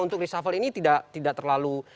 untuk reshuffle ini tidak terlalu